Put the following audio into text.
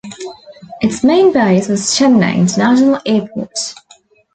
Its main base was Chennai International Airport.